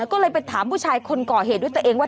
ก็เลยไปถามผู้ชายคนก่อเหตุด้วยตัวเองว่า